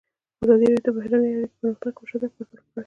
ازادي راډیو د بهرنۍ اړیکې پرمختګ او شاتګ پرتله کړی.